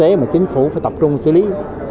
đồng kinh tế mà chính phủ phải tập trung xử lý